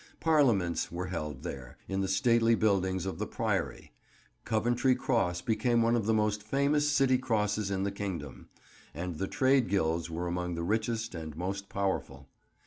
Parliaments were held there, in the stately buildings of the Priory; Coventry Cross became one of the most famous City Crosses in the kingdom; and the trade guilds were among the richest and most powerful.